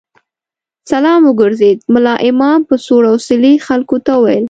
سلام وګرځېد، ملا امام په سوړ اسوېلي خلکو ته وویل.